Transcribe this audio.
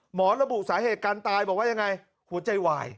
ระบุสาเหตุการตายบอกว่ายังไงหัวใจวาย